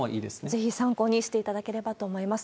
ぜひ参考にしていただければと思います。